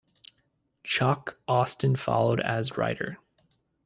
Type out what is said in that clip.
Chuck Austen followed as writer.